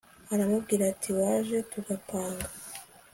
aramubwira ati waje tugapanga